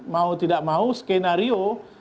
mau tidak mau skenario